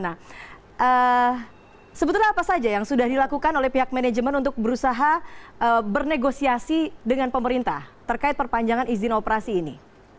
nah sebetulnya apa saja yang sudah dilakukan oleh pihak manajemen untuk berusaha bernegosiasi dengan pemerintah terkait perpanjangan izin operasi ini